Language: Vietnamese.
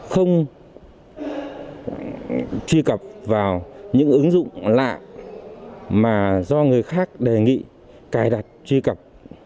không truy cập vào những ứng dụng lạ mà do người khác đề nghị cài đặt truy cập